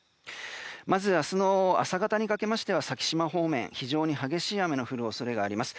まず明日の朝方にかけては先島方面非常に激しい雨の降る恐れがあります。